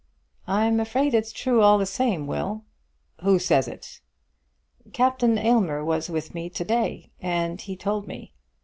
"I'm afraid it's true all the same, Will." "Who says it?" "Captain Aylmer was with me to day, and he told me.